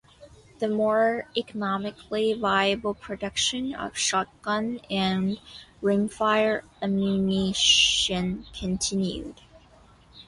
The more economically viable production of shotgun and rimfire ammunition continued.